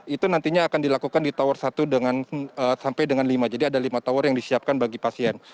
itu nantinya akan dilakukan di tower satu sampai dengan lima jadi ada lima tower yang disiapkan bagi pasien